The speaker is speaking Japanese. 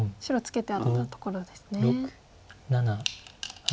白ツケてあったところですね。